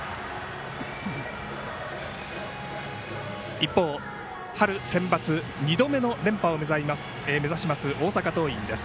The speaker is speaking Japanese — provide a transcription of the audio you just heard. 一方、春センバツ２度目の連覇を目指します大阪桐蔭です。